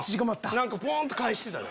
何かポン！と返してたで。